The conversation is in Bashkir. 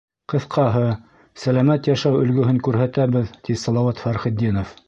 Ҡыҫҡаһы, сәләмәт йәшәү өлгөһөн күрһәтәбеҙ, — ти Салауат Фәрхетдинов.